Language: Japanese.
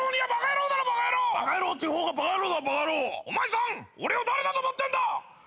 お前さん俺を誰だと思ってんだ！